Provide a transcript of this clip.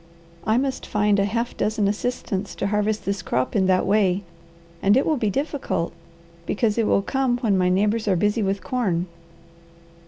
I must find a half dozen assistants to harvest this crop in that way, and it will be difficult, because it will come when my neighbours are busy with corn."